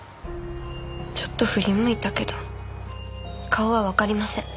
ちょっと振り向いたけど顔はわかりません。